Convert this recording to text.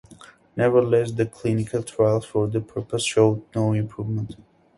Nevertheless, the clinical trials for this purpose showed no improvement.